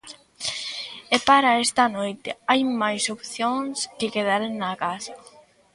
E para esta noite hai máis opcións que quedar na casa.